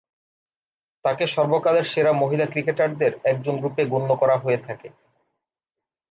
তাকে সর্বকালের সেরা মহিলা ক্রিকেটারদের একজনরূপে গণ্য করা হয়ে থাকে।